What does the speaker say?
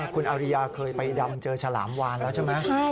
คุณอริยาเคยไปดำเจอฉลามวานแล้วใช่ไหม